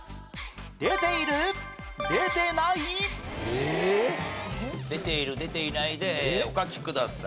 ええ？出ている出ていないでお書きください。